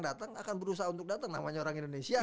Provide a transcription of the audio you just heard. datang akan berusaha untuk datang namanya orang indonesia